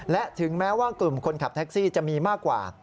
และถึงแม้ว่ากลุ่มคนขับแท็กซี่จะมีมากกว่า